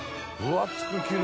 厚く切る。